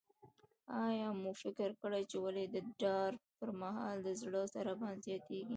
آیا مو فکر کړی چې ولې د ډار پر مهال د زړه ضربان زیاتیږي؟